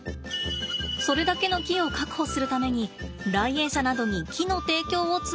それだけの木を確保するために来園者などに木の提供を募ったんですって。